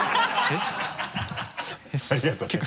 えっ？